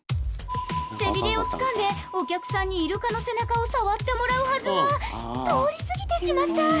背びれをつかんでお客さんにイルカの背中を触ってもらうはずが通り過ぎてしまった！